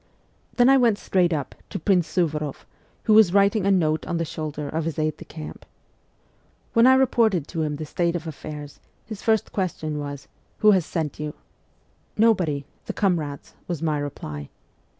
Then I went straight up to Prince Suvoroff, who was writing a note on the shoulder of his aide de camp. When I reported to him the state of affairs, his first question was, ' Who has sent you ?'' Nobody the comrades,' was my reply.